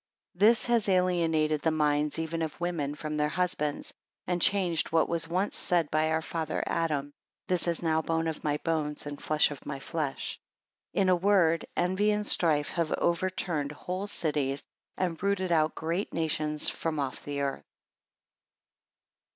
18 This has alienated the minds even of women from their husbands; and changed what was once said by our father Adam; This is now bone of my bones, and flesh of my flesh. 19 In a word, envy and strife, have overturned whole cities, and rooted out great nations from off the earth.